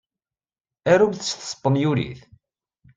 Arumt s tespenyulit.